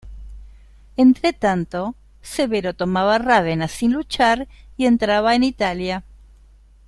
Entre tanto, Severo tomaba Rávena sin luchar y entraba en Italia.